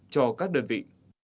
cho các đơn vị